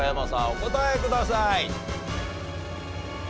お答えください。